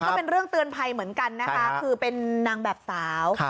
ก็เป็นเรื่องเตือนภัยเหมือนกันนะคะคือเป็นนางแบบสาว